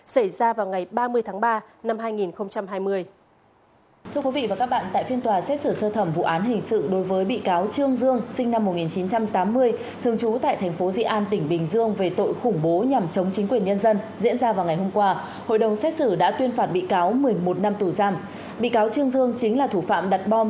xảy ra vào ngày ba mươi tháng ba năm hai nghìn hai mươi